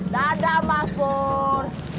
dadah mas bur